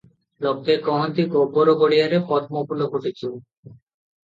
ଲୋକେ କହନ୍ତି, ଗୋବର ଗଡ଼ିଆରେ ପଦ୍ମଫୁଲ ଫୁଟିଛି ।